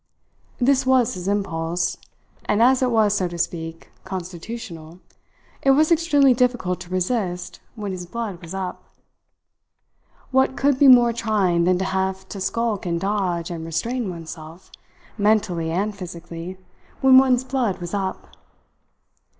This was his impulse; and as it was, so to speak, constitutional, it was extremely difficult to resist when his blood was up. What could be more trying than to have to skulk and dodge and restrain oneself, mentally and physically, when one's blood was up?